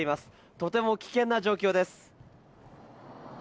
とても危険な状況です。